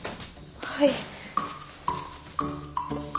はい。